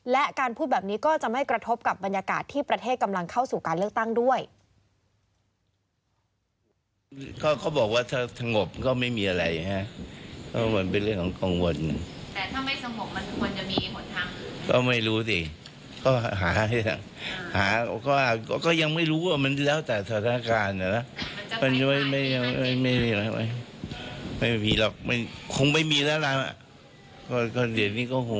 และการพูดแบบนี้ก็จะไม่กระทบกับบรรยากาศที่ประเทศกำลังเข้าสู่การเลือกตั้งด้วย